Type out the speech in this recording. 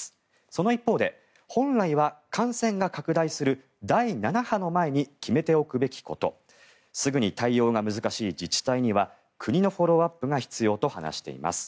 その一方で、本来は感染が拡大する第７波の前に決めておくべきことすぐに対応が難しい自治体には国のフォローアップが必要と話しています。